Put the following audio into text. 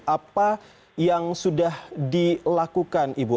apa yang sudah dilakukan ibu